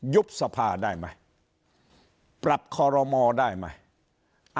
ยุบสภาได้ไหมปรับคอรมอได้ไหม